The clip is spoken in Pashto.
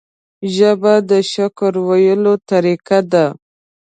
ژبه د شکر ویلو طریقه ده